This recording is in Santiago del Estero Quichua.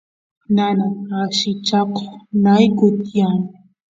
nanas allichakoq nayku tiyan